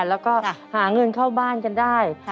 แล้วก็หาเงินเข้าบ้านกันได้